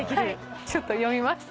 ちょっと読みます。